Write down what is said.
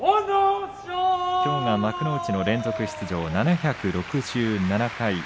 きょうが幕内の連続出場７６７回。